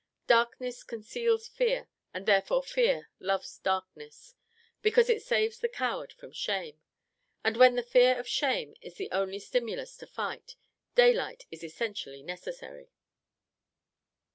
Darkness conceals Fear, and therefore Fear loves Darkness, because it saves the coward from shame; and when the fear of shame is the only stimulus to fight, daylight is essentially necessary.